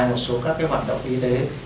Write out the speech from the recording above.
một số các hoạt động y tế